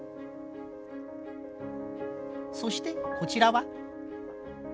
そしてこちらは。